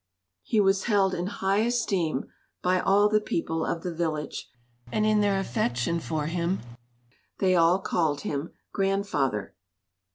He was held in high esteem by all the people of the village, and in their affection for him they all called him "Grandfather."